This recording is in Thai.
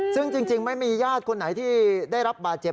ซึ่งจริงไม่มีญาติคนไหนที่ได้รับบาดเจ็บ